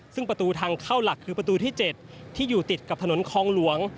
ซึ่งประตูทางเข้าหลักคือประตูที่๗ที่อยู่ติดกับถนนคลองหลวง